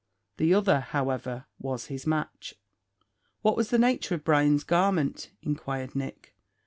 The other, however, was his match. "What was the nature of Brian's garment," inquired Nick.